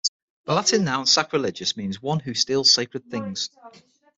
The Latin noun "sacrilegus" means "one who steals sacred things".